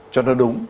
cho nó đúng